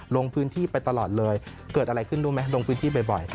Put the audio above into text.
ลงพื้นที่ไปตลอดเลยเกิดอะไรขึ้นรู้ไหมลงพื้นที่บ่อย